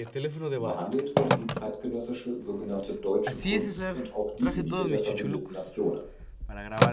Behandelt wurde die zeitgenössische sogenannte Deutsche Kunst und auch diejenige der verbündeten Nationen.